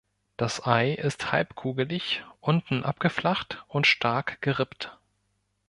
Das Ei ist halbkugelig, unten abgeflacht und stark gerippt.